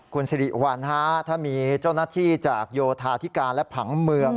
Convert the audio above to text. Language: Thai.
คุณสิริวัลฮะถ้ามีเจ้าหน้าที่จากโยธาธิการและผังเมือง